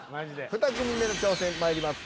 ２組目の挑戦まいります。